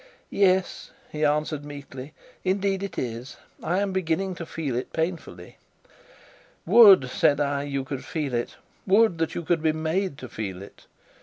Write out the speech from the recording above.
'Yes,' he answered meekly, 'indeed it is; I am beginning to feel it painfully.' 'Would,' said I, 'you could feel it would that you could be made to feel it.'